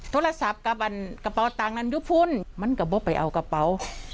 โทรศัพท์กับอันกระเป๋าต่างนั้นอยู่พุ่นมันก็ไม่ไปเอากระเป๋า